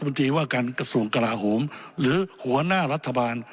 นตรีว่าการกระทรวงกลาโหมหรือหัวหน้ารัฐบาล